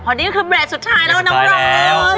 พอนี้ก็คือเบลดสุดท้ายแล้วนะพร้อม